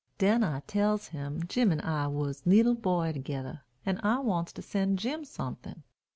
Den I tells him Jim and I was leetle boy togeder, an' I wants to sen' Jim someting.